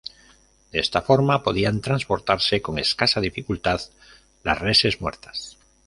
De esta forma podían transportarse con escasa dificultad las reses muertas.